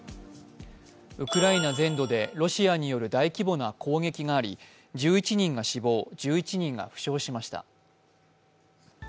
ウクライナ全土でロシアによる大規模な攻撃があり１１人が死亡、１１人が負傷しました。